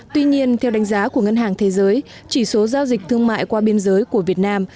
tuy nhiên theo đánh giá của ngân hàng thế giới chỉ số giao dịch thương mại qua biên giới của việt nam